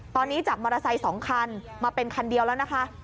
ตอนนี้จากมอเตอร์ไซค์๒คันมาเป็นคันเดียวแล้วนะคะ